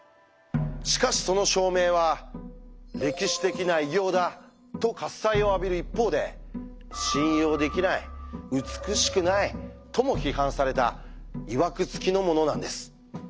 しかしその証明は「歴史的な偉業だ」と喝采を浴びる一方で「信用できない」「美しくない」とも批判されたいわくつきのものなんです。